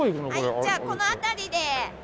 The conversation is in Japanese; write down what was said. はいじゃあこの辺りで。